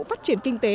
phát triển kinh tế